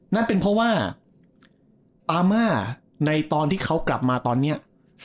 นั่นเป็นเพราะว่าอาม่าในตอนที่เขากลับมาตอนนี้